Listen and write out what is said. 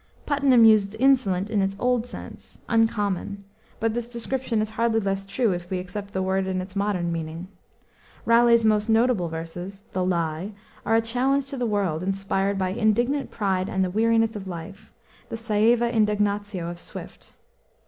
Puttenham used insolent in its old sense, uncommon; but this description is hardly less true, if we accept the word in its modern meaning. Raleigh's most notable verses, The Lie, are a challenge to the world, inspired by indignant pride and the weariness of life the saeva indignatio of Swift.